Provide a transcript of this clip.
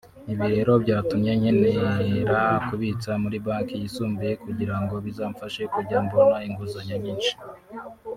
Ibi rero byatumye nkenera kubitsa muri banki yisumbuyeho kugira ngo bizamfashe kujya mbona inguzanyo nyinshi